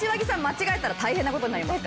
間違えたら大変な事になりますからね。